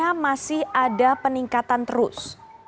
apakah masih ada peningkatan terus